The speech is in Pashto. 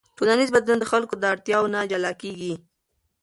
ټولنیز بدلون د خلکو له اړتیاوو نه جلا کېږي.